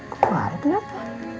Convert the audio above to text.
kok bareng kenapa